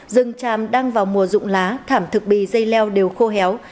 rừng tràm đang vào mùa rụng lá thảm thực bì dây leo đều khô héo